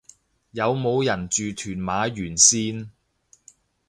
有冇人住屯馬沿線